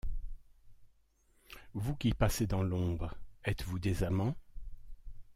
Vous qui passez dans l’ombre, êtes-vous des amants?